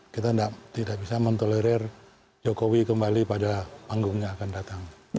kita tidak bisa mentolerir jokowi kembali pada panggung yang akan datang